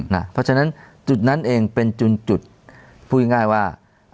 เพราะฉะนั้นจุดนั้นเองเป็นจุดพูดง่ายว่า